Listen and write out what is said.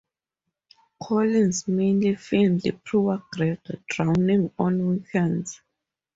Collins mainly filmed "Poor Greg Drowning" on weekends.